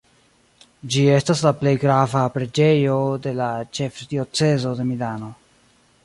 Ĝi estas la plej grava preĝejo de la ĉefdiocezo de Milano.